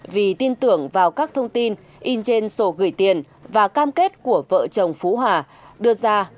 vì tin tưởng vào các thông tin in trên sổ gửi tiền và cam kết của vợ chồng phú hòa đưa ra